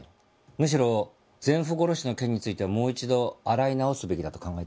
むしろ前夫殺しの件についてはもう一度洗い直すべきだと考えてる。